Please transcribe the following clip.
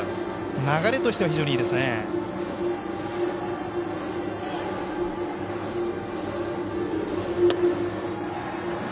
流れとしては非常にいいですね。